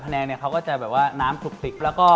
แต่แกงเนี่ยเขาจะแบบว่าน้ำสุดที่